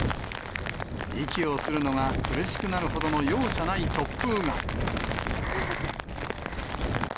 息をするのが苦しくなるほどの容赦ない突風が。